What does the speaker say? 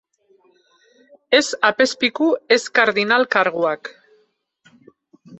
Ez apezpiku, ez kardinal karguak.